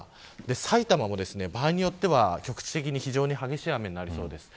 埼玉も場合によっては局地的に非常に激しい雨になりそうです。